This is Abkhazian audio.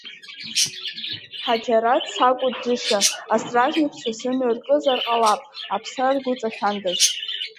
Ҳаџьараҭ сакәу џьышьа астражникцәа сымҩа ркызар ҟалап, аԥсра ргәыҵашәандаз!